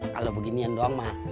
kalo beginian doang mah